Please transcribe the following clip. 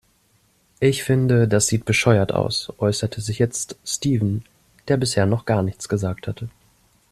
Ich finde, das sieht bescheuert aus, äußerte sich jetzt Steven, der bisher noch gar nichts gesagt hatte.